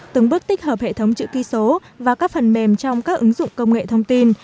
từng bước tích hợp hệ thống chữ ký số và các phần mềm trong các ứng dụng công nghệ thông tin